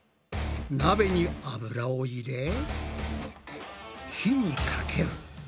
なべに油を入れ火にかける。